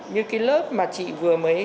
như cái lớp mà chị vừa mới